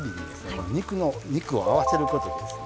この肉を合わせることでですね